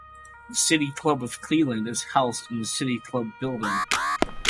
The City Club of Cleveland is housed in the City Club Building.